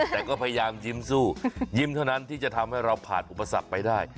แต่ก็พยายามยิ้มสู้ยิ้มเท่านั้นที่จะทำให้เราผ่านอุปสรรคไปได้